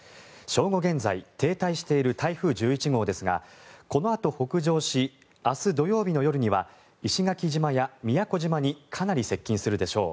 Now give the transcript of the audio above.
正午現在停滞している台風１１号ですがこのあと北上し明日土曜日の夜には石垣島や宮古島にかなり接近するでしょう。